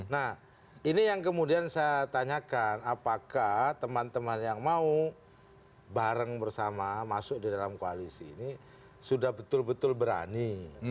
nah ini yang kemudian saya tanyakan apakah teman teman yang mau bareng bersama masuk di dalam koalisi ini sudah betul betul berani